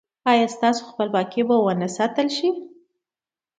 ایا ستاسو خپلواکي به و نه ساتل شي؟